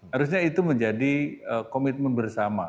harusnya itu menjadi komitmen bersama